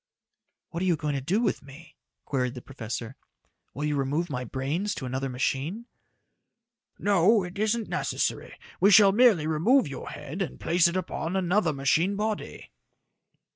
"What are you going to do with me?" queried the professor. "Will you remove my brains to another machine?" "No, it isn't necessary. We shall merely remove your head and place it upon another machine body."